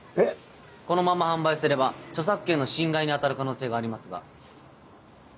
このまま販売すれば著作権の侵害に当たる可能性がありますが。